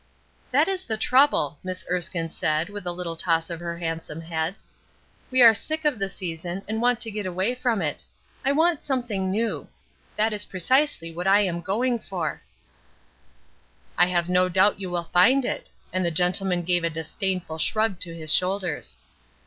"That is the trouble," Miss Erskine said, with a little toss of her handsome head. "We are sick of the season, and want to get away from it. I want something new. That is precisely what I am going for." "I have no doubt you will find it," and the gentleman gave a disdainful shrug to his shoulders.